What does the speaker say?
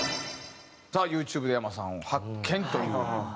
さあＹｏｕＴｕｂｅでｙａｍａさんを発見という。